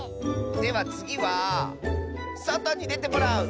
ではつぎはそとにでてもらう！